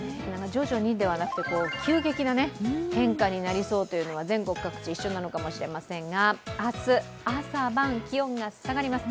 徐々にではなく急激な変化になりそうというのは全国各地一緒なのかもしれませんが、明日、朝晩、気温が下がります。